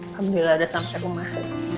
alhamdulillah udah sampai rumah